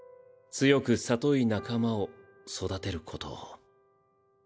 強く聡い仲間を育てることを。